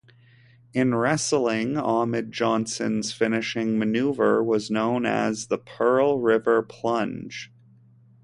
In wrestling, Ahmed Johnson's finishing maneuver was known as the "Pearl River Plunge".